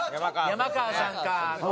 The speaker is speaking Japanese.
山川さんか。